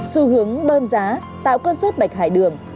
xu hướng bơm giá tạo cơn sốt bạch hải đường